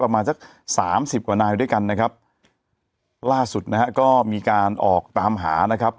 ประมาณสักสามสิบกว่านายด้วยกันนะครับล่าสุดนะฮะก็มีการออกตามหานะครับ